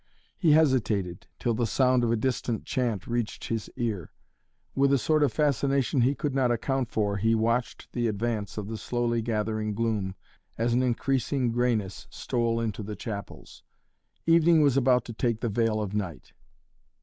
He hesitated, till the sound of a distant chant reached his ear. With a sort of fascination he could not account for, he watched the advance of the slowly gathering gloom, as an increasing greyness stole into the chapels. Evening was about to take the veil of night.